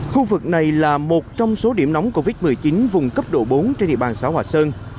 khu vực này là một trong số điểm nóng covid một mươi chín vùng cấp độ bốn trên địa bàn xã hòa sơn